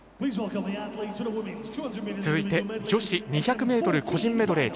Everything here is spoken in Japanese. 続いて女子２００ｍ個人メドレー